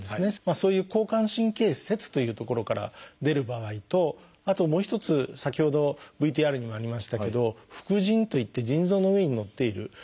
そういう交感神経節という所から出る場合とあともう一つ先ほどＶＴＲにもありましたけど副腎といって腎臓の上にのっている組織があるんですけど。